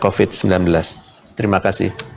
covid sembilan belas terima kasih